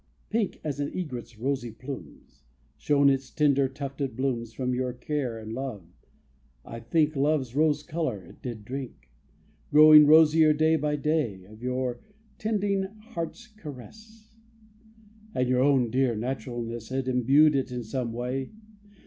Pink, As an egret's rosy plumes, Shone its tender tufted blooms. From your care and love, I think, Love's rose color it did drink, Growing rosier day by day Of your 'tending hand's caress; And your own dear naturalness Had imbued it in some way.